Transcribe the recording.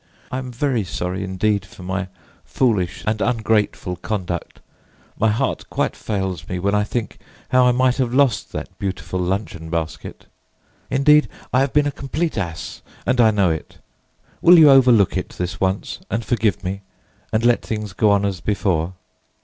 I am very sorry indeed for my foolish and ungrateful conduct. My heart quite fails me when I think how I might have lost that beautiful luncheon basket. Indeed, I have been a complete ass, and I know it. Will you overlook it this once and forgive me, and let things go on as before?"